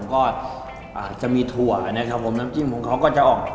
ก็อาจจะมีถั่วนะครับผมน้ำจิ้มของเขาก็จะออก